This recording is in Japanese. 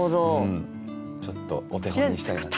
ちょっとお手本にしたいなっていう。